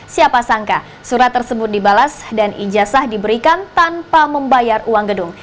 siapa sangka surat tersebut dibalas dan ijazah diberikan tanpa membayar uang gedung